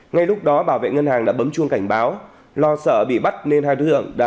ngay lúc đó bảo vệ ngân hàng đã bấm chuông cảnh báo